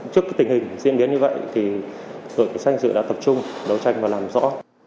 trước tình hình diễn biến như vậy tội kỳ sanh sự đã tập trung đấu tranh và làm rõ